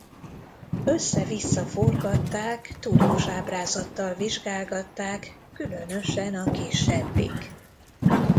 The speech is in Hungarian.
Összevissza forgatták, tudós ábrázattal vizsgálgatták, különösen a kisebbik.